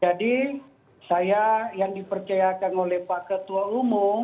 jadi saya yang dipercayakan oleh pak ketua umum